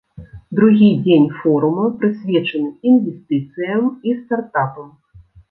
Другі дзень форума прысвечаны інвестыцыям і стартапам.